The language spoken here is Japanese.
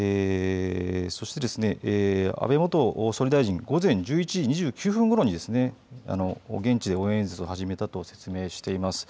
そして安倍元総理大臣、午後１１時２９分ごろに現地で応援演説を始めたと説明しています。